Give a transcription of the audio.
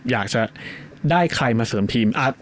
อยากจะได้ใครมาเสริมทีม